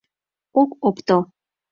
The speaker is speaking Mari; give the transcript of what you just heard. Ок опто.